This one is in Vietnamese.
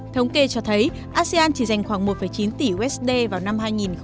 thống kê cho thấy asean chỉ dành khoảng một chín tỷ usd vào năm hai nghìn một mươi bảy